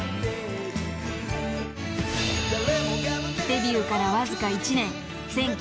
［デビューからわずか１年］